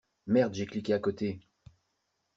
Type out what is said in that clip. Merde j'ai cliqué à côté.